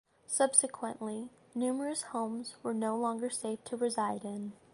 Subsequently numerous homes were no longer safe to reside in.